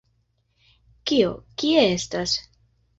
Kio, kie estas?